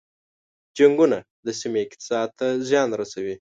جنګونه د سیمې اقتصاد ته زیان رسوي.